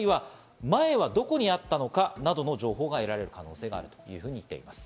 前はどこにあったのかなどの情報が得られる可能性があるということです。